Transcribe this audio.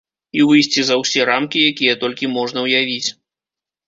І выйсці за ўсе рамкі, якія толькі можна ўявіць.